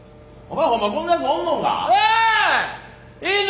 おい！